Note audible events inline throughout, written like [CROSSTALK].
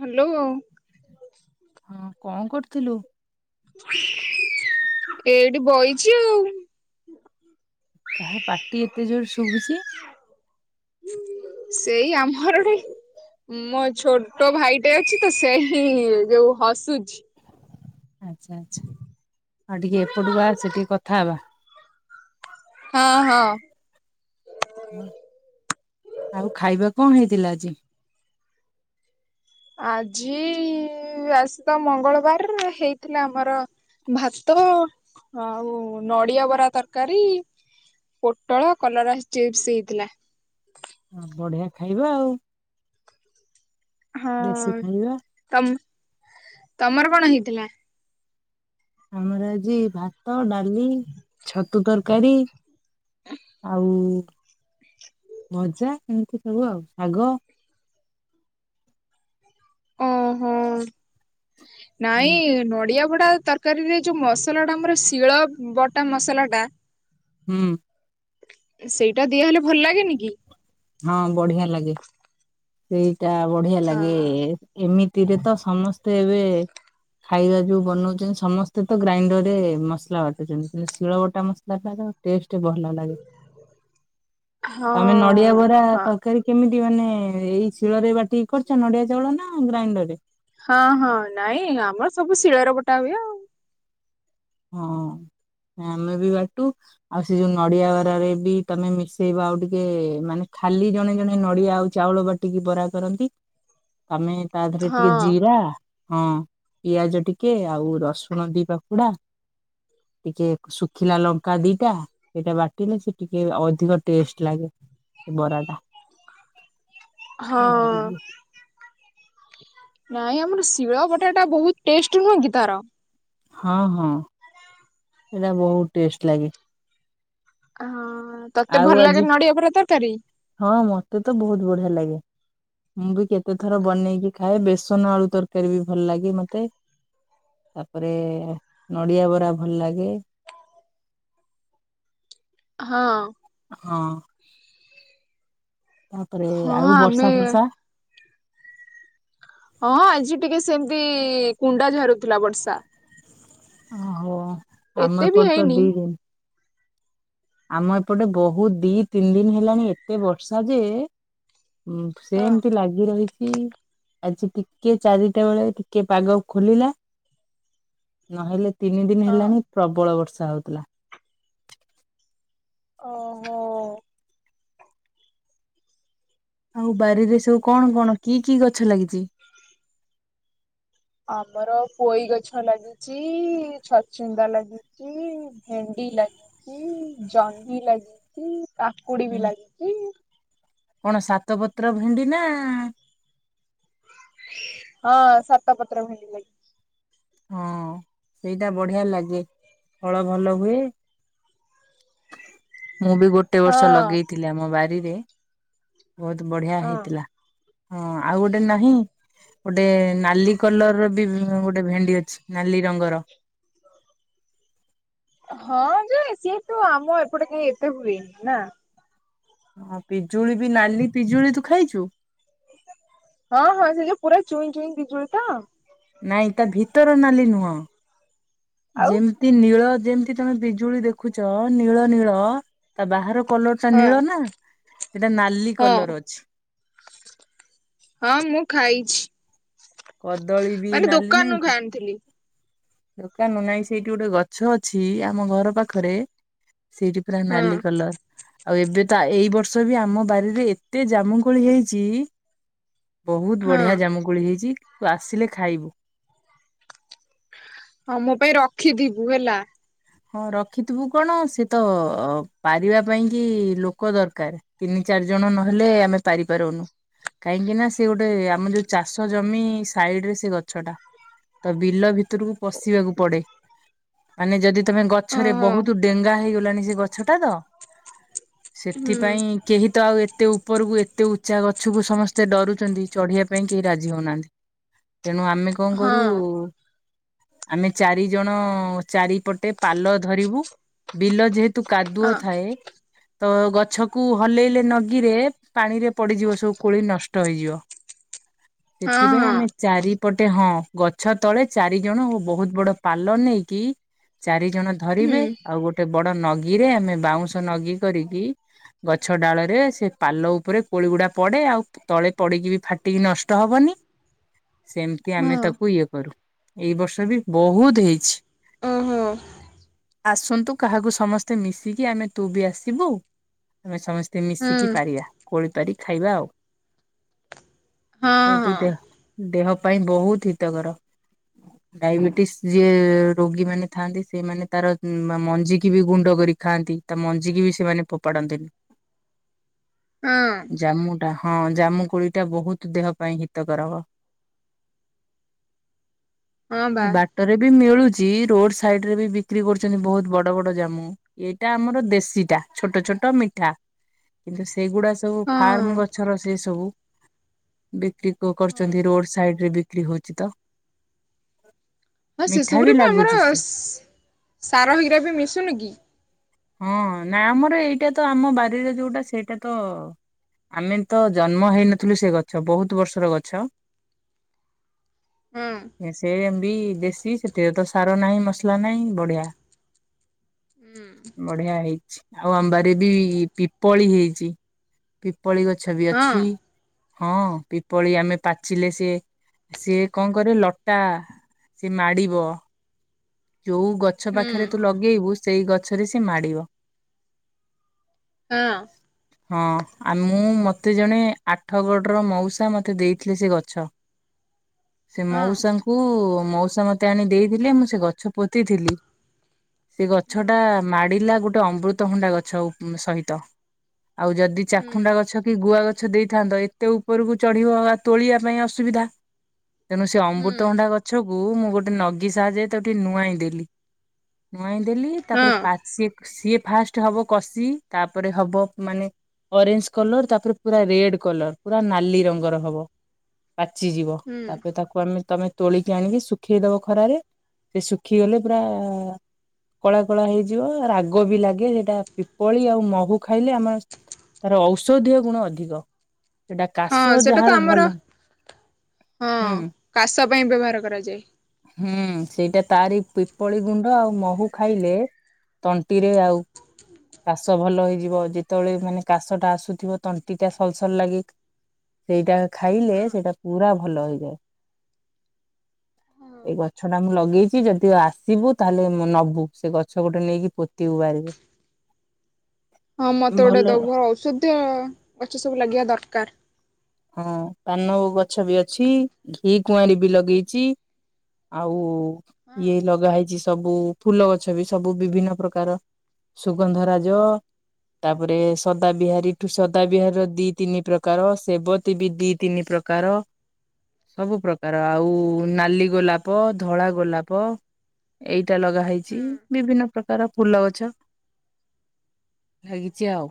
Hello. ହଁ କଣ କରୁଥିଲୁ? ଏଇଠି ବଇଚି ଆଉ। କାହା ପାଟି ଏତେ ଜୋରରେ ଶୁଭୁଚି? ସେଇ ଆମ [UNINTELLIGIBLE] ମୋ ଛୋଟ ଭାଇଟେ ଅଛି ତ ସେ ହିଁ ଯୋଉ ହସୁଛି। ଆଛା ଆଛା ଆଉ ଟିକେ ଏପଟକୁ ଆସେ ଟିକେ କଥା ହବା। ହଁ ହଁ। ଆଉ ଖାଇବା କଣ ହେଇଥିଲା ଆଜି? ଆଜି ଆଜ୍ ତ ମଙ୍ଗଳବାର ହେଇଥିଲା ଆମର ଭାତ ଆଉ ନଡିଆ ବରା ତରକାରୀ। ପୋଟଳ କଲରା ଚିପ୍ସ ହେଇଥିଲା। ବଢିଆ ଖାଇବା ଆଉ। ହଁ ଦେଶୀ ଖାଇବା ତମ ତମର କଣ ହେଇଥିଲା? ଆମର ଆଜି ଭାତ, ଡାଲି, ଛତୁ ତରକାରୀ। ଆଉ ଭଜା ଏମିତି ସବୁ ଆଉ ଶାଗ। ହଁ ହୁଁ ନାଇଁ ନଡିଆ ବଡା ତର ତରକାରୀରେ ଯୋଉ ମସଲା ଟା ଆମର ଶିଳ ବଟା ମସଲା ଟା। ହୁଁ। ସେଇଟା ଦିଆହେଲେ ଭଲ ଲାଗେନି କି। ହଁ ବଢିଆ ଲାଗେ ସେଇଟା ବଢିଆ ହଁ ଲାଗେ। ଏମିତିରେ ତ ସମସ୍ତେ ଏବେ ଖାଇବା ଯଉ ବନଉଛନ୍ତି ସମସ୍ତେ ତ ଗ୍ରାଇଣ୍ଡରରେ ମସଲା ବାଟୁଛନ୍ତି ଶିଳବଟା ମସଲାଟାର ଟେଷ୍ଟ ଭଲ ଲାଗେ ତମେ ନଡିଆ ହଁ। ବ ହଁ ତରକାରୀ କେମିତି ମାନେ ଏଇ ଶିଳରେ ବାଟି କରିଛ ନଡିଆ ଚାଉଳ ନା ଗ୍ରାଇଣ୍ଡର ରେ? ହଁ ହଁ ନାଇଁ ଆମର ସବୁ ଶିଳରେ ବଟା ହୁଏ ଆଉ। ହଁ ଆମେ ବି ବାଟୁ ଆଉ ସେ ଯୋଉ ନଡିଆ ବାରରେ ବି ତମେ ମିଶେଇବ ଆଉ ଟିକେ ମାନେ ଖାଲି ଜଣେ ଜଣେ ନଡିଆ ଆଉ ଚାଉଳ ବା ଟିକି ବରା କରନ୍ତି ତମେ ତା ଦେହେରେ ଟିକେ ହଁ। ଜିରା। ହଁ ପିଆଜ ଟିକେ ଆଉ ରସୁଣ ଦି ପାଖୁଡା। ଟିକେ ଶୁଖିଲା ଲଙ୍କା ଦିଟା ସେଇଟା ବାଟିଲେ ସେ ଟିକେ ଅଧିକ ଟେଷ୍ଟ ଲାଗେ। ସେ ବରାଟା। ହଁ। ନାଇଁ ଆମର ଶିଳ ବଟା ଟା ବହୁତ ଟେଷ୍ଟ ନୁହେଁ କି ତାର। ହଁ ହଁ। ସେରା ବହୁତ ଟେଷ୍ଟ ଲାଗେ। ହଁ ତତେ ଆଉ ଭଲ ଆଜି ଲାଗେ ନଡିଆ ପୁରା ତରକାରୀ? ହଁ ମତେ ତ ବହୁତ ବଢିଆ ଲାଗେ। ମୁଁ ବି କେତେ ଥର ବନେଇକି ଖାଏ ବେସନ ଆଳୁ ତରକାରୀ ବି ଭଲ ଲାଗେ ମତେ। ତାପରେ ନଡ଼ିଆ ବରା ଭଲ ଲାଗେ। ହଁ। ହଁ। ତାପରେ ହଁ ଆଉ ଆମେ ବର୍ଷା ଫରର୍ଷା ହଁ ଆଜି ଟିକେ ସେମିତି କୁଣ୍ଡା ଝାରୁଥିଲା ବର୍ଷା। ଆଉ ଆମ ଏତେ ବି ଏପଟେ ତ ହେଇନି। ଦି ଦିନ ଆମ ଏପଟେ ବହୁତ ଦି ତିନି ଦିନ ହେଲାଣି ଏତେ ବର୍ଷା ଯେ ହୁଁ ହଁ ସେମତି ଲାଗେ ଲାଗି ରହିଛି ଆଜି ଟିକେ ଚାରିଟା ବେଳେ ଟିକେ ପାଗ ଖୋଲିଲା। ନହେଲେ ତିନି ଦିନି ହଁ ହେଲାଣି ପ୍ରବଳ ବର୍ଷା ହଉଥିଲା। ଓହୋ। ଆଉ ବାରିରେ ସବୁ କଣ କଣ କି କି ଗଛ ଲାଗିଛି? ଆମର ପୋଇ ଗଛ ଲାଗିଛି ଛଚିନ୍ଦା ଲାଗି ଚି ଭେଣ୍ଡି ଲାଗିଛି, ଜହ୍ନି ଲାଗିଛି, କାକ୍ କୁଡ଼ି ବି ହୁଁ ଲାଗିଛିି। କଣ ସାତ ପତ୍ର ଭେଣ୍ଡି ନା ହଁ ସାତ ପତ୍ର ଭେଣ୍ଡି ଲାଗିଛି। ହଁ ସେଇଟା ବଢିଆ ଲାଗେ ଫଳ ଭଲ ହୁଏ। ମୁଁ ବି ଗୋଟେ ବର୍ଷ ହଁ। ଲଗେଇଥିଲି ଆ ମ ବାରିରେ ବହୁତ ବଢିଆ ହେଇଥିଲା। ହଁ ଆଉ ଗୋଟେ ନାହିଁ ଗୋଟେ ନାଲି କଲର ର ବି ଗୋଟେ ଭେଣ୍ଡି ଅଛି। ନାଲି ରଙ୍ଗର। ହଁ ଯେ ସିଏ ତୁ ଆମ ଏପଟେ କାଇ ଏତେ ହୁଏନି ନା। ହଁ ପିଜୁଳି ବି ନାଲି ପିଜୁଳି ତୁ ଖାଇଛୁ? ହଁ ହଁ ସେ ଯୋଉ ପୁରା ଚୁଇଁ ଚୁଇଁ ପିଜୁଳି ତ! ନାଇଁ ତା ଭିତର ନାଲି ନୁହଁ। ଆଉ ଯେମିତି ନୀଳ ଯେମିତି ତମେ ବିଜୁଳି ଦେଖୁଛ ନୀଳ ନୀଳ ତା ବାହାର କଲର ସେଟା ହଁ ନୀଳ ନା ସେଟା ନାଲି ହଁ କଲର ଅଛି। ହଁ ମୁଁ ଖାଇଛି। କଦଳୀ ବି ମାନେ ନାଲି ନାଇଁ ଦୋକାନରୁ ଖାଇ କି? ଆଣିଥିଲି ଦୋକାନ ନାଇଁ ସେଇଠି ଗୋଟେ ଗଛ ଅଛି, ଆମ ଘର ପାଖରେ ସେଇଠି ପୁରା ହଁ ନାଲି କଲର। ଆଉ ଏବେ ତ ଏଇ ବର୍ଷ ବି ଆମ ବାରିରେ ଏତେ ଜାମୁକୋଳି ହେଇଛି ବହୁତ ହଁ ବଢିଆ ଜାମୁକୋଳି ହେଇଛି ତୁ ଆସିଲେ ଖାଇବୁ। ହଁ ମୋ ପାଇଁ ରଖିଥିବୁ ହେଲା। ହଁ ରଖିଥିବୁ କଣ, ସେ ତ ପାରିବା ପାଇଁ କି ଲୋକ ଦରକାର। ତିନି ଚାରି ଜଣ ନହେଲେ ଆମେ ପାରିପାରୁନୁ। କାହିଁକି ନା ସେ ଗୋଟେ ଆମ ଯୋଉ ଚାଷ ଜମି ସାଇଡ ରେ ସେ ଗଛଟା। ତ ବିଲ ଭିତରକୁ ପଶିବାକୁ ପଡେ, ମାନେ ଯଦି ତମେ ଗଛରେ ଓହୋ ବହୁତ ଡେଙ୍ଗା ହେଇଗଲାଣି ସେ ଗଛଟା ତ, ହୁଁ ସେଥିପାଇଁ କେହି ତ ଆଉ ଏତେ ଉପରକୁ ଏତେ ଉଚ୍ଚା ଗଛକୁ ସମସ୍ତେ ଡରୁଛନ୍ତି ଚଢିବା ପାଇଁ କେହି ରାଜି ହଉନାହାନ୍ତି। ତେଣୁ ଆମେ କଣ ହଁ କରୁ ଆମେ ଚାରି ଜଣ ଚାରିପଟେ ପାଲ ଧରିବୁ ବିଲ ଯେହେତୁ ହଁ କାଦୁଅ ଥାଏ ତ ଗଛକୁ ହଲେଇଲେ ନଗିରେ ପାଣିରେ ପଡିଯିବ ସବୁ କୋଳି ନଷ୍ଟ ହେଇଯିବ। ହଁ ସେଥିପାଇଁ ହଁ। ଆମେ ଚାରି ପଟେ ହଁ ଗଛ ତଳେ ଚାରିଜଣ ଓ ବହୁତ ବଡ ପାଲ ନେଇକି ଚାରି ଜଣ ହୁଁ। ଧରିବେ ଆଉ ଗୋଟେ ବଡ ନଗୀରେ ଆମେ ବାଉଁଶ ନଗୀ କରିକି ଗଛ ଡାଳରେ ସେ ପାଲ ଉପରେ କୋଳି ଗୁଡା ପଡେ ଆଉ ତଳେ ପଡିକି ବି ଫାଟିକି ନଷ୍ଟ ହବନି। ସେମିତି ଆମେ ହଁ। ତାକୁ ଇଏ କରୁ। ଏଇ ବର୍ଷ ବି ବହୁତ ହେଇଛି। ଓହୋ। ଆସନ୍ତୁ କାହାକୁ ସମସ୍ତେ ମିଶିକି ଆମେ ତୁ ବି ଆସିବୁ, ଆମେ ସମସ୍ତେ ସେ ମିଶିକି ହୁଁ ପାରିବା କୋଳିପାରି ଖାଇବା ଆଉ, ହଁ ସେ ବି ହଁ ଦେହ ଦେହ ପାଇଁ ବହୁତ ହିତକର ଡାଇବେଟିସ ଯିଏ ରୋଗୀ ମାନେ ଥାନ୍ତି ସେମାନେ ତାର ମଞ୍ଜିିକି ବି ଗୁଣ୍ଡ କରି ଖାଆନ୍ତି ତା ମଞ୍ଜିିକି ବି ସେମାନେ ଫୋପାଡନ୍ତିନି। ହଁ ଜାମ୍ମୁ ହଁ ଜାମୁ କୋଳିଟା ବହୁତ ଦେହ ପାଇଁ ହିତକାର। ହଁ ବା ବାଟରେ ବି ମିଳୁଛି ରୋଡ ସାଇଡରେ ବି ବିକ୍ରି କରୁଛନ୍ତି ବହୁତ ବଡ ବଡ ଜାମୁ। ଏଇଟା ଆମର ଦେଶୀଟା ଛୋଟ ଛୋଟ ମିଠା। କିନ୍ତୁ ସେଗୁଡା ସବୁ ହଁ। ଫାର୍ମ ଗଛର ସେ ସବୁ। ବିକ୍ରି କ ହଁ କରୁଛନ୍ତି ରୋଡ ସାଇଡରେ ବିକ୍ରି ହଉଛି ତ। ହଁ ମିଠା ଶିସୁପରେ ବି ଆମର ଲାଗୁଛି ସେ। ସାର ହେଗିରା ବି ମିଶୁନି କି। ହଁ ନା ଆମର ଏଇଟା ତ ଆମ ବାରିରେ ଯୋଉଟା ସେଇଟା ତ ଆମେ ତ ଜନ୍ମ ହେଇନଥିଲୁ ସେ ଗଛ ବହୁତ ବର୍ଷର ଗଛ। ହଁ ସେ ଏମ ବି ଦେଶୀ ସେଥିରେ ତ ସାର ନାହିଁ ମସ ସଲା ନାଇଁ ବଢିଆ ହୁଁ ବଢିଆ ହେଇଛି। ଆଉ ଆମ ବାରିରେ ବି ପିପଳି ହେଇଛି ପିପଳି ଗଛ ବି ହଁ ଅଛି। ହଁ ପିପଳି ଆମେ ପାଚିଲେ ସିଏ ସିଏ କଣ କରେ ଲଟା ସିଏ ମାଡିବ। ଯୋଉ ଗଛ ହୁଁ ପାଖରେ ତୁ ଲଗେଇବୁ ସେଇ ଗଛରେ ସେ ମାଡିବ। ହଁ। [INAUDIBLE] ହଁ ଆ ମୁଁ ମତେ ଜଣେ ଆଠ ଗଡ଼ର ମଉସା ମତେ ଦେଇଥିଲେ ସେ ଗଛ। [INAUDIBLE] ସେ ହଁ ମଉସାଙ୍କୁ ମଉସା ମତେ ଆଣି ଦେଇଥିଲେ ମୁଁ ସେ ଗଛ ପୋତିଥିଲି। ସେ ହଁ ଗଛଟା ମାଡିଲା ଗୋଟେ ଅମୃତଭଣ୍ଡା ଗଛ ଉ ସହିତ। ଆଉ ଯଦି ଚାଖୁଣ୍ଡା ହୁଁ। ଗଛ କି ଗୁଆ ଗ ଛ ଦେଇଥାନ୍ତ ଏତେ ଉପରକୁ ଚଢିବ ବା ତୋଳିବା ପାଇଁ ଅସୁବିଧା। ତେଣୁ ସେ ହୁଁ ଅମୃତଭଣ୍ଡା ଗଛକୁୁ ମୁଁ ଗୋଟେ ନଗି ସାହାଯ୍ୟାରେ ତାକୁ କୁ ନୁଆଇଁ ଦେଲି ନୁଆଇଁ ଦେଲି ତାପରେ ହଁ ପାଚ ସିଏ ସିଏ ଫାଷ୍ଟ ହବ କଷି ତାପରେ ହବ ମାନେ ଅରେଞ୍ଜ କଲର ତାପରେ ପୁରା ରେଡ କଲର ପୁରା ନାଲି ରଙ୍ଗର ହବ। ପାଚିଯିବ ହୁଁ ତାପରେ ତାକୁ ଆମେ ତମେ ତୋଳିକି ଆଣିକି ଶୁଖେଇଦବ ଖରାରେ। ସେ ଶୁଖିଗଲେ ପୁରା କଳା କଳା ହେଇଯିବ ରାଗ ବି ଲାଗେ ସେଇଟା ପିପଳି ଆଉ ମହୁ ଖାଇଲେ ଆମର ତାର ଔଷଧୀୟ ଗୁଣ ଅଧିକ। ସେଇଟା ହଁ କାଶ ସେଟା ତ ଯାହାର ଆମର ଭଲ ହଁ ହୁଁ। କାଶ ପାଇଁ ବ୍ୟବହାର କରାଯାଏ। ହୁଁ ସେଇଟା ତାରି ପିପଳି ଗୁଣ୍ଡ ଆଉ ମହୁ ଖାଇଲେ। ତଣ୍ଟିରେ ଆଉ କାଶ ଭଲ ହେଇଯିବ ଯେତେବେଳେ ମାନେ କାଶଟା ଆସୁଥିବ ତଣ୍ଟିଟା ସଲ୍ ସଲ୍ ଲାଗେ। ସେଇଟା ଖାଇଲେ ହଁ ସେଇଟା ପୁରା ଭଲ ହେଇଯାଏ। ହଁ ଏଇ ଗଛ ଟା ମୁଁ ଲଗେଇ କି ଯଦି ଆସିବୁ ତାହେଲେ ମୁଁ ନବୁ ସେ ଗଛ ଗୋଟେ ନେଇକି ପୋତିିବୁ ବାରିରେ। [INAUDIBLE] ହଁ ମୋତେ ଗୋଟେ ଭଲ ଦବୁ ଆଉ ଔଷଧୀୟ ଗଛ ସବୁ ଲାଗିବା ଦରକାର। ହଁ ପାନୋଓଉ ଗଛ ବି ଅଛି ଘି କୁଆଁରି ବି ଲଗେଇଛି। ଆଉ ହଁ ଇଏ ଲଗା ହେଇଛି ସବୁ ଫୁଲ ଗଛ ବି ସବୁ ବିଭିନ୍ନ ପ୍ରକାର ସୁଗନ୍ଧ ରାଜ। ତାପରେ ସଦା ବିିହାରୀଠୁ ସଦା ବିିହାରୀର ଦି ତିନି ପ୍ରକାର ସେବ ବି ଦି ତିନି ପ୍ରକାର। ସବୁ ପ୍ରକାର ଆଉ ନାଲି ଗୋଲାପ ଧଳା ଗୋଲାପ। ଏଇଟା ଲଗା ହେଇଛି, ହଁ ବିଭିନ୍ନ ପ୍ରକାର ଫୁଲ ଗଛ, ଲାଗିଛି ଆଉ।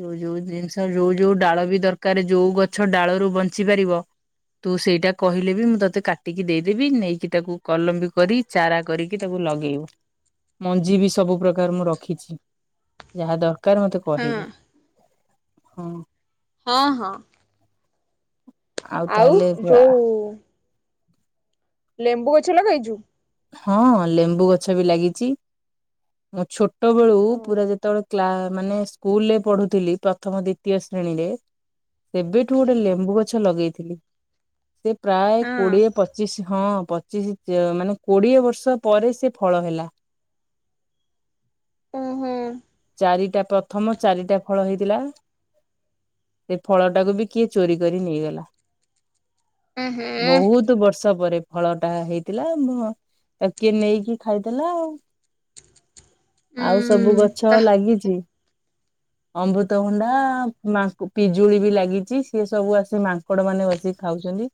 ଯୋଉ ଯୋଉ ଜିନିଷ ଯୋଉ ଯୋଉ ଡାଳ ବି ଦରକାର, ଯୋଉ ଗଛ ଡାଳରୁ ବଞ୍ଚି ପାରିବ ତୁ ସେଇଟା କହିଲେ ବି ମୁଁ ତତେ କାଟିକି ଦେଇଦେବି, ନେଇକି ତାକୁ କଲମ୍ୱି କରି ଚାରା କରିକି ତାକୁ ଲଗେଇବୁ। ମଞ୍ଜି ବି ସବୁ ପ୍ରକାର ମୁଁ ରଖିଛି। ଯାହା ଦରକାର ମତେ ହଁ କହିବୁ। ହଁ। ହଁ ହଁ। ଆଉ ତାହେଲେ ବା ଯୋଉ ଲେମ୍ବୁ ଗଛ ଲଗେଇଚୁ? ହଁ ଲେମ୍ବୁ ଗଛ ବି ଲାଗିଚି। ମୁଁ ଛୋଟବେଳୁ ହଁ। ପୁରା ଯେତେବେଳେ କ୍ଲା ମାନେ ସ୍କୁଲରେ ପଢୁଥିଲି, ପ୍ରଥମ ଦ୍ଵିତୀୟ ଶ୍ରେଣୀରେ କେବେଠୁ ଗୋଟେ ଲେମ୍ବୁ ଗଛ ଲଗେଇଥିଲି ସେ ପ୍ରାୟ କୋଡିଏ ପଚିଶ ହଁ ପଚିଶ ଯେ ମାନେ କୋଡିଏ ବର୍ଷ ପରେ ସିଏ ଫଳ ହେଲା। ଓହୋ ଚାରିଟା ପ୍ରଥମ ଚାରିଟା ଫଳ ହେଇଥିଲା। ସେ ଫଳଟାକୁ ବି କିଏ ଚୋରି କରି ନେଇଗଲା। ଉହୁଁ ବହୁତ ବର୍ଷ ପରେ ଫଳଟା ହେଇଥିଲା, ମ କିଏ ନେଇକି ଖାଇଦେଲା ଆଉ। ଆଉ ସବୁ ଉଁ ଗଛ ତା ଲାଗିଚି ଅମୃତଭଣ୍ଡା, ଉଁ ମାଙ୍କ ପିଜୁଳି ବି ଲାଗିଚି, ସିଏ ସବୁ ଆସି ମାଙ୍କଡମାନେ ବସି ଖାଉଚନ୍ତି।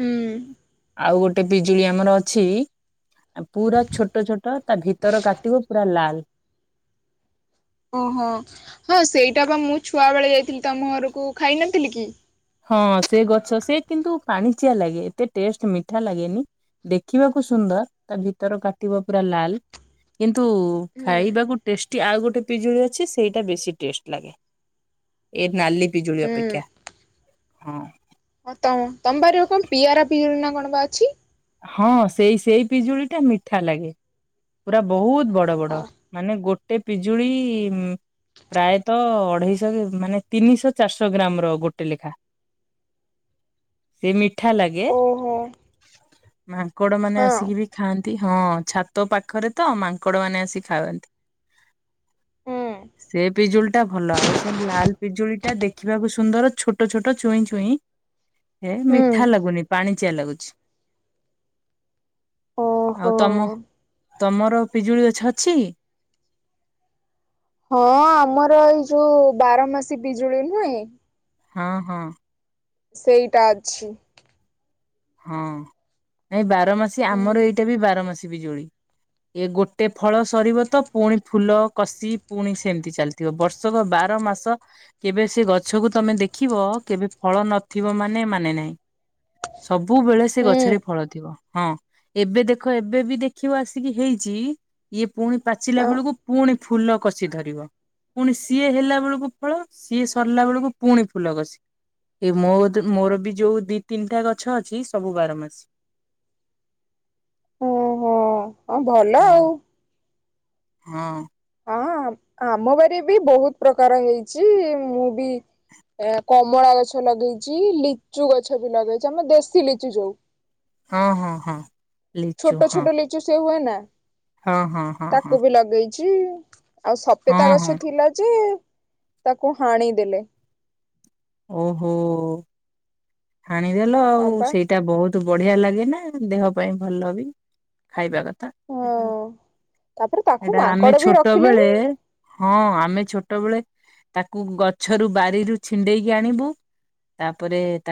ହୁଁ। ଆଉ ଗୋଟେ ପିଜୁଳି ଆମର ଅଛି ଆ ପୁରା ଛୋଟ ଛୋଟ, ତା ଭିତର କାଟିବ ପୁରା ଲାଲ୍। ଓହୋ। ହଁ ସେଇଟା ବା ମୁଁ ଛୁଆବେଳେ ଯାଇଥିଲି ତମ ଘରକୁ ଖାଇନଥିଲି କି? ହଁ ସେ ଗଛ ସେ କିନ୍ତୁ ପାଣିଚିଆ ଲାଗେ, ଏତେ ଟେଷ୍ଟ ମିଠା ଲାଗେନି ଦେଖିବାକୁ ସୁନ୍ଦର, ତା ଭିତର କାଟିବ ପୁରା ଲାଲ୍, କିନ୍ତୁ ହୁଁ ଖାଇବାକୁ ଟେଷ୍ଟି ଆଉ ଗୋଟେ ପିଜୁଳି ଅଛି ସେଇଟା ବେଶୀ ଟେଷ୍ଟ ଲାଗେ। ଏ ନାଲି ପିଜୁଳି ହୁଁ ଅପେକ୍ଷା। ହଁ। ହଁ ତମ-ତମ ବାରିରେ କଣ ପିଆରା ପିଜୁଳି ନା କଣ ବା ଅଛି? ହଁ, ସେଇ ସେଇ ପିଜୁଳିଟା ମିଠା ଲାଗେ। ପୁରା ବହୁତ୍ ବଡ ଓହୋ ବଡ। ମାନେ ଗୋଟେ ପିଜୁଳି ଉମ୍ ପ୍ରାୟତଃ ଅଢେଇଶହ ମାନେ ତିନିଶହ ଚାରିଶହ ଗ୍ରାମର ଗୋଟେ ଲେଖା। ସେ ମିଠା ଲାଗେ ଓହୋ। ମାଙ୍କଡମାନେ ହଁ ଆସିକି ବି ଖାଆନ୍ତି, ହଁ ଛାତ ପାଖରେ ତ ମାଙ୍କଡମାନେ ଆସିକି ଖାଆନ୍ତି। ହୁଁ ସେ ପିଜୁଳିଟା ଭଲ ଆଉ ସେ ଲାଲ୍ ପିଜୁଳିଟା ଦେଖିବାକୁ ସୁ ସୁନ୍ଦର ଛୋଟ ଛୋଟ ଛୁଇଁ ଛୁଇଁ, ସେ ହୁଁ ମିଠା ଲାଗୁନି, ପାଣିଚିଆ ଲାଗୁଚି। ଓହୋ। ଆଉ ତମ, ତମର ପିଜୁଳି ଗଛ ଅଛି? ହଁ ଆମର ଏଇ ଯୋଉ ବାରମାସୀ ପିଜୁଳି ନୁହେଁ ହଁ-ହଁ। ସେଇଟା ଅଛି। ହଁ। ନାଇଁ ବାରମାସୀ ହୁଁ ଆମର ଏଇଟା ବି ବାରମାସୀ ପିଜୁଳି। ଏ ଗୋଟେ ଫଳ ସରିବ ତ ପୁଣି ଫୁଲ, କଷି, ପୁଣି ସେମତି ଚାଲିଥିବ। ବର୍ଷକ ବାର ମାସ କେବେ ସେ ଗଛକୁ ତମେ ଦେଖିବ, କେବେ ଫଳ ନଥିବ ମାନେ ମାନେ ନାହିଁ। ସବୁବେଳେ ସେ ହୁଁ ଗଛରେ ଫଳ ଥିବ। ହଁ। ଏବେ ଦେଖ ଏବେ ବି ଦେଖିବ ଆସିକି ହେଇଚି, ଇଏ ପୁଣି ପାଚିଲା ହଁ ବେଳକୁ ପୁଣି ଫୁଲ କଷି ଧରିବ। ପୁଣି ସିଏ ହେଲା ବେଳକୁ ଫଳ, ସିଏ ସରିଲା ବେଳକୁ ପୁଣି ଫୁଲ, କଷି। ଏ ମୋ ମୋର ବି ଯୋଉ ଦି ତିନିଟା ଗଛ ଅଛି, ସବୁ ବାର ମାସି। ହଁ- ହଁ ଭଲ ହଁ ଆଉ। ହଁ। ଆ ଆମ ବାରିରେ ବି ବହୁତ୍ ପ୍ରକାର ହେଇଚି, ମୁଁ ବି ଏ କମଳା ଗଛ ଲଗେଇଛି, ଲିଚୁ ଗଛ ବି ଲଗେଇଚି, ଆମ ଦେଶୀ ଲିଚୁ ଯୋଉ ହଁ-ହଁ-ହଁ। ଛୋଟ ଛୋଟ ଲିଚୁ ସେ ହୁଏ ନା, ହଁ ହଁ ହଁ ତାକୁ ବି ଲଗେଇଚି। ଆଉ ହଁ ସପେତା ହଁ ହଁ ଗଛ ଥିଲା ଯେ, ତାକୁ ହାଣିଦେଲେ। ଓ ହୋ ହାଣିଦେଲ ହଁ ଆଉ ବା ସେଇଟା ବହୁତ୍ ତୁ ବଢିଆ ଲାଗେ ନା, ଦେହ ପାଇଁ ଭଲ ବି ଖାଇବା କଥା। ହଁ ତାପରେ ତାକୁ ସେଟା ଆମେ ମାଙ୍କଡ ବି ଛୋଟ ବେଳେ ରଖିଲେନି ହଁ ଆମେ ଛୋଟବେଳେ, ତାକୁ ଗଛରୁ ବାରିରୁ ଛିଣ୍ଡେଇକି ଆଣିବୁ ତାପରେ ତା